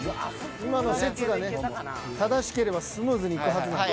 今の説がね正しければスムーズにいくはずなんで。